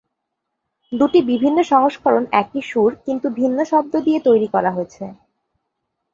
দুটি বিভিন্ন সংস্করণ একই সুর কিন্তু ভিন্ন শব্দ দিয়ে তৈরি করা হয়েছে।